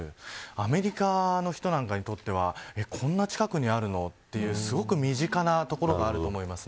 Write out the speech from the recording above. アメリカの人なんかにとってこんな近くにあるのというすごく身近なところがあると思います。